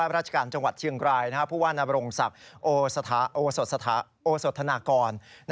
ราชการจังหวัดเชียงรายผู้ว่านบรงศักดิ์โอสธนากร